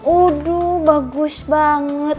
uduh bagus banget